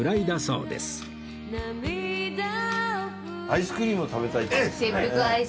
アイスクリームを食べたい。